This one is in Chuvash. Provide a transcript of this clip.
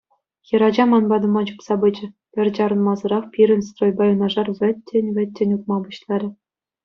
Хӗрача ман патӑма чупса пычӗ, пӗр чарӑнмасӑрах пирӗн стройпа юнашар вӗттен-вӗттӗн утма пуҫларӗ.